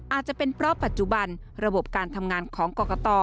อาจจะเป็นเพราะปัจจุบันระบบการทำงานของกรกต